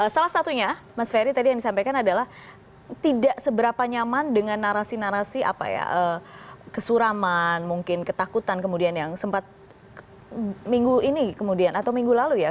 salah satunya mas ferry tadi yang disampaikan adalah tidak seberapa nyaman dengan narasi narasi apa ya kesuraman mungkin ketakutan kemudian yang sempat minggu ini kemudian atau minggu lalu ya